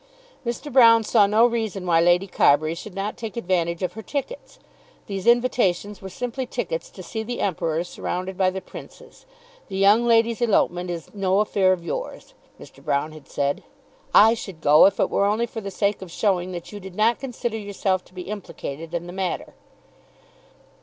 Mr. Broune saw no reason why Lady Carbury should not take advantage of her tickets. These invitations were simply tickets to see the Emperor surrounded by the Princes. The young lady's elopement is "no affair of yours," Mr. Broune had said. "I should go, if it were only for the sake of showing that you did not consider yourself to be implicated in the matter."